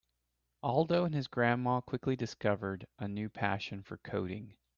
Aldo and his grandma quickly discovered a new passion for coding.